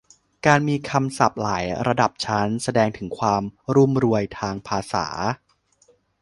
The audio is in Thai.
การมีคำศัพท์หลายระดับชั้น แสดงถึงความรุ่มรวยทางภาษา